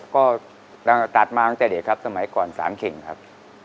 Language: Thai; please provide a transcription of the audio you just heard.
ก็ตัดมาอาจจะเด็ดครับสมัยก่อนสารเข่งครับ